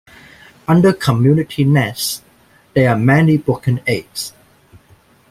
Under community nests there are many broken eggs.